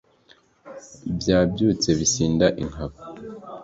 byabyutse bisinda inkaba